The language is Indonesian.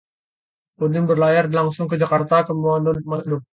Udin berlayar langsung dari Jakarta ke Manado